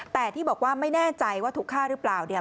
แต่ที่บอกว่าไม่แน่ใจว่าถูกฆ่าหรือเปล่าเนี่ย